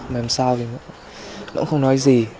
mà em sao thì cũng không nói gì